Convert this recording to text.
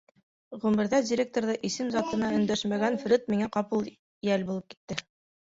Ғүмерҙә директорҙы исем-заты менән өндәшмәгән Фред миңә ҡапыл йәл булып китте.